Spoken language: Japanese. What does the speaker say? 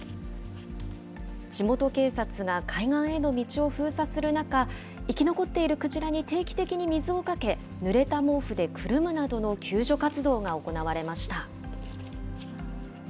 地元警察が海岸への道を封鎖する中、生き残っているクジラに定期的に水をかけ、ぬれた毛布でくるむなどの救助活動が行われました。